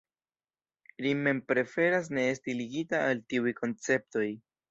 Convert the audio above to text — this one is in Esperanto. Ri mem preferas ne esti ligita al tiuj konceptoj.